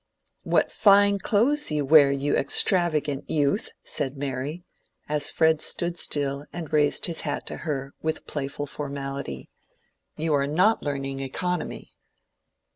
"What fine clothes you wear, you extravagant youth!" said Mary, as Fred stood still and raised his hat to her with playful formality. "You are not learning economy."